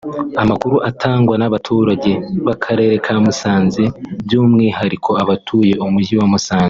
Amakuru atangwa n’abaturage b’akarere ka Musanze by’umwihariko abatuye mu mujyi wa Musanze